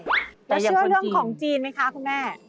แล้วเชื่อเรื่องของจีนไหมคะคุณแม่